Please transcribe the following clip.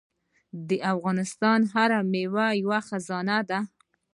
د افغانستان هره میوه یوه خزانه ده.